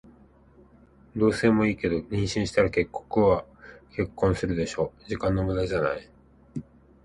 同棲もいいけど、妊娠したら結局は結婚するでしょ。時間の無駄じゃない？